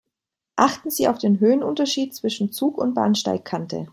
Achten Sie auf den Höhenunterschied zwischen Zug und Bahnsteigkante.